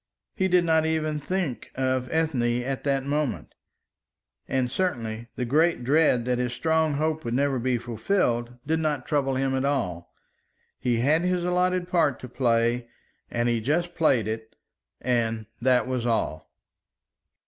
He did not even think of Ethne at that moment; and certainly the great dread that his strong hope would never be fulfilled did not trouble him at all. He had his allotted part to play, and he just played it; and that was all.